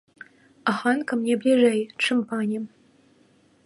Ганка мне бліжэй, чым пані.